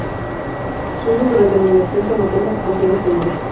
Su uso durante la lactancia materna se considera seguro.